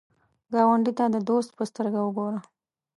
ګاونډي ته د دوست په سترګه وګوره